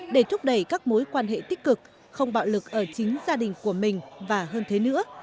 để thúc đẩy các mối quan hệ tích cực không bạo lực ở chính gia đình của mình và hơn thế nữa